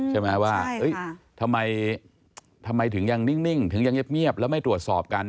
ใช่ไหมว่าทำไมถึงยังนิ่งถึงยังเงียบแล้วไม่ตรวจสอบกัน